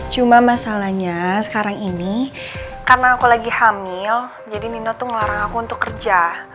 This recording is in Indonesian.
cuma masalahnya sekarang ini karena aku lagi hamil jadi nino tuh ngelarang aku untuk kerja